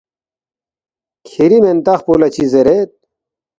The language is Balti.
”کِھری مِنتخ پو لہ چِہ زیرید؟“